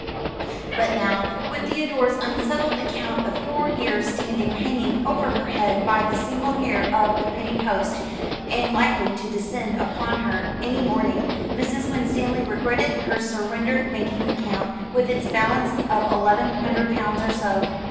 But now, with Theodore's unsettled account of four years' standing hanging over her head by the single hair of the penny post, and likely to descend upon her any morning, Mrs. Winstanley regretted her surrendered banking account, with its balance of eleven hundred pounds or so.